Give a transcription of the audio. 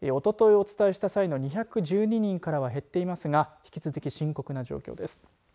お伝えした際の２１２人からは減っていますが引き続き深刻な状況です。